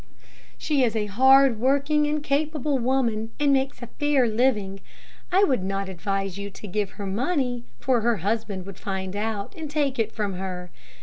"She is a hard working and capable woman, and makes a fair living. I would not advise you to give her money, for her husband would find it out, and take it from her.